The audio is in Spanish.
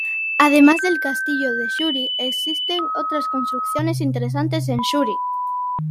Además del Castillo de Shuri, existen otras construcciones interesantes en Shuri.